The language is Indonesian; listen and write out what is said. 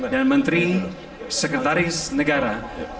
dan menteri sekretaris negara